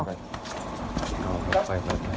ไป